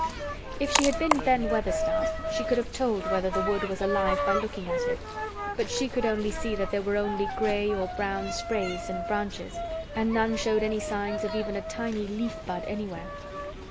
If she had been Ben Weatherstaff she could have told whether the wood was alive by looking at it, but she could only see that there were only gray or brown sprays and branches and none showed any signs of even a tiny leaf bud anywhere.